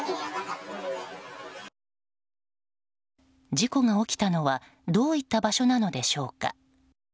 事故が起きたのはどういった場所なのでしょうか。